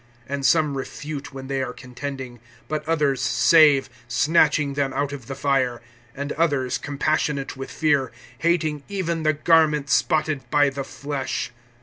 (22)And some refute when they are contending; but others save, snatching them out of the fire; (23)and others compassionate with fear, hating even the garment spotted by the flesh.